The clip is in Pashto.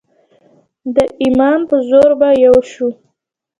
د ایمان په زور به یو شو.